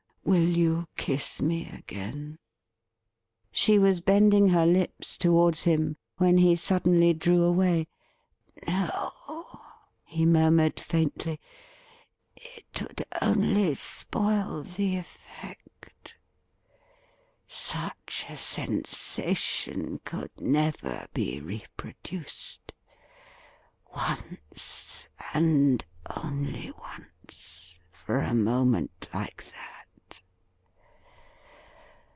Will you kiss me again ?' She was bending her lips towards him, when he suddenly drew away. ' No,' he murmured faintly ;' it would only spoil the effect. Such a sensation could never be reproduced. Once, and only once, for a moment like that